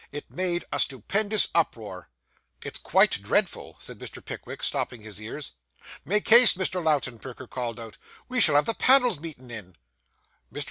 It made a stupendous uproar. 'It's quite dreadful,' said Mr. Pickwick, stopping his ears. 'Make haste, Mr. Lowten,' Perker called out; 'we shall have the panels beaten in.' Mr.